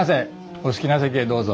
お好きな席へどうぞ。